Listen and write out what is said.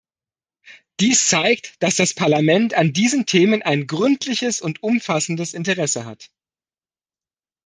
Dies zeigt, dass das Parlament an diesen Themen ein gründliches und umfassendes Interesse hat.